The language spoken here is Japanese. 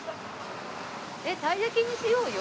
えったいやきにしようよ。